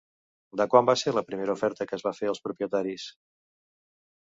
De quant va ser la primera oferta que es va fer als propietaris?